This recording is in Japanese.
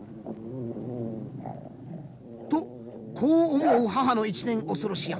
と子を思う母の一念恐ろしや。